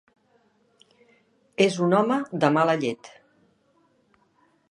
És un home de mala llet.